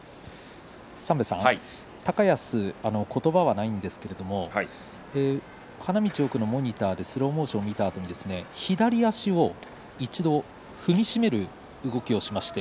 高安は言葉はないんですが花道奥のモニターでスローモーションを見たあと左足を一度踏み締める動きをしました。